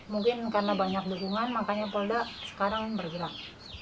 mungkin karena banyak dukungan makanya polda sekarang bergerak